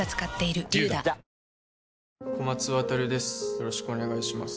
よろしくお願いします